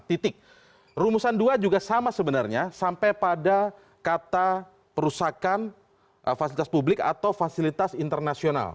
titik rumusan dua juga sama sebenarnya sampai pada kata perusakan fasilitas publik atau fasilitas internasional